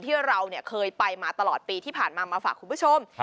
ที่เราเคยไปมาตลอดปีที่ผ่านมามาฝากคุณผู้ชม